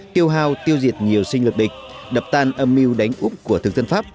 kêu hao tiêu diệt nhiều sinh lực địch đập tan âm mưu đánh úp của thương dân pháp